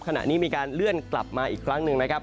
ขณะนี้มีการเลื่อนกลับมาอีกครั้งหนึ่งนะครับ